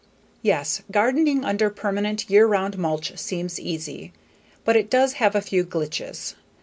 _ Yes, gardening under permanent year round mulch seems easy, but it does have a few glitches.